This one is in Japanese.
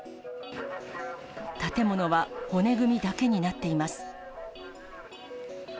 建物は骨組みだけになっています。